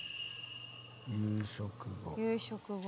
夕食後。